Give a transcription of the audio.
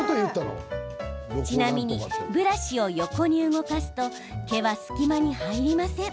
ちなみにブラシを横に動かすと毛は隙間に入りません。